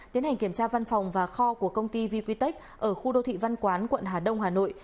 tiến hành kiểm tra văn phòng và kho của công ty vqtech ở khu đô thị văn quán quận hà đông hà nội